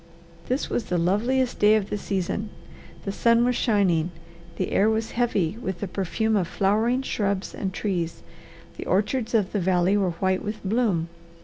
This was the loveliest day of the season. The sun was shining, the air was heavy with the perfume of flowering shrubs and trees, the orchards of the valley were white with bloom.